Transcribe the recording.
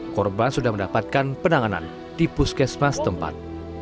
korban sudah mendapatkan penanganan di puskesmas tempat